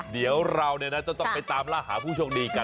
เดี๋ยวเราจะต้องไปตามล่าหาผู้โชคดีกัน